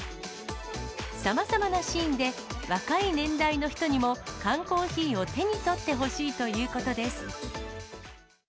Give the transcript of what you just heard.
さまざまなシーンで、若い年代の人にも缶コーヒーを手に取ってほしいということです。